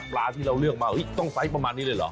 ที่เราเลือกมาต้องไซส์ประมาณนี้เลยเหรอ